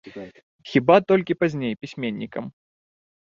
Хіба толькі пазней, пісьменнікам.